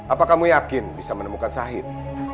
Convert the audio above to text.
apa kamu yakin bisa menemukan sahid